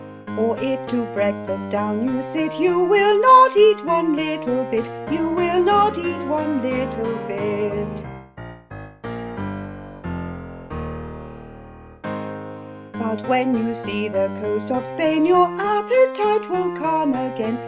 Or if to breakfast down you sit, You will not eat one little bit. 5. But when you see the coast of Spain Your appetite will come again.